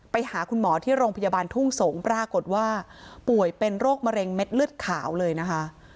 ไปหาคุณหมอที่โรงพยาบาลทุ่งสงศ์ปรากฏว่าป่วยเป็นโรคมะเร็งเม็ดเลือดขาวเลยนะคะ